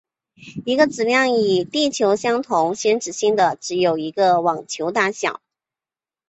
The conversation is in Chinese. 一个质量与地球相同先子星的只有一颗网球大小。